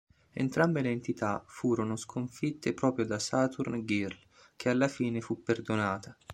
Entrambe le entità furono sconfitte proprio da Saturn Girl che alla fine fu perdonata.